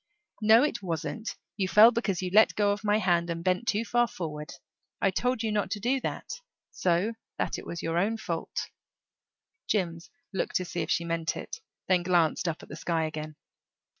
"No, it wasn't. You fell because you let go of my hand and bent too far forward. I told you not to do that. So that it was your own fault." Jims looked to see if she meant it; then glanced up at the sky again.